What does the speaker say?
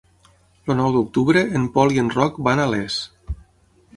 El nou d'octubre en Pol i en Roc van a Les.